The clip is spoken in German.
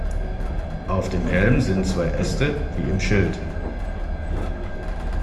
Auf dem Helm sind zwei Äste wie im Schild.